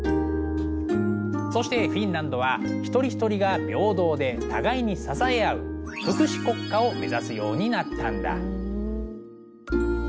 そしてフィンランドは一人一人が平等で互いに支え合う「福祉国家」を目指すようになったんだ。